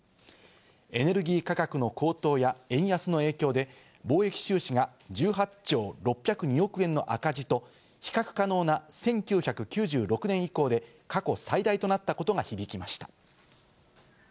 エネルギー価格の高騰や歴史的な水準まで進んだ円安の影響で、貿易収支が１８兆６０２億円の赤字と比較可能な１９９６年以降で過去最大となったことが響きました。